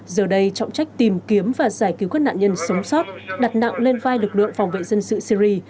giờ đây trọng trách tìm kiếm và giải cứu các nạn nhân sống sót đặt nặng lên vai lực lượng phòng vệ dân sự syri